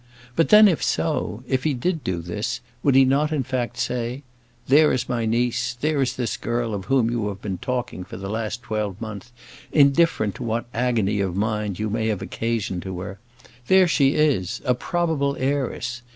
But then, if so, if he did do this, would he not in fact say, "There is my niece, there is this girl of whom you have been talking for the last twelvemonth, indifferent to what agony of mind you may have occasioned to her; there she is, a probable heiress!